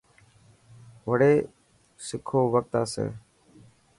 وڙي سکو وقت آسي.